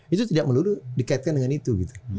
itu tidak melulu dikaitkan dengan itu